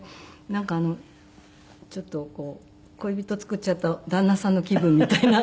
なんかちょっと恋人作っちゃった旦那さんの気分みたいな。